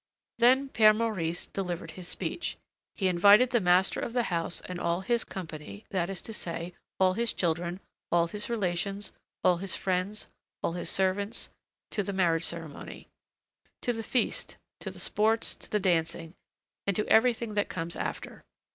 Then Père Maurice delivered his speech. He invited the master of the house and all his company, that is to say, all his children, all his relations, all his friends, all his servants, to the marriage ceremony, to the feast, to the sports, to the dancing, and to everything that comes after.